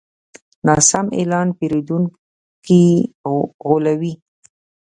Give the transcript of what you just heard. ناسم اعلان پیرودونکي غولوي.